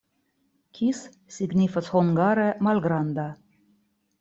Kis signifas hungare malgranda.